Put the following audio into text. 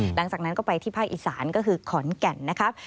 หลังจากนั้นก็ไปที่ภาคอีสานก็คือขอนแก่นนะครับ